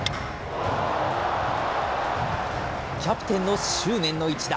キャプテンの執念の一打。